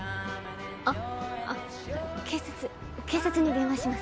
あ警察警察に電話します。